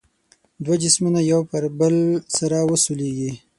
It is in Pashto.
دوه جسمونه یو پر بل سره وسولیږي.